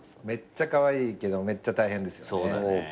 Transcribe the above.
めっちゃカワイイけどめっちゃ大変ですよね。